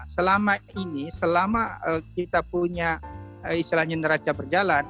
selama ini selama kita punya islan islan raca berjalan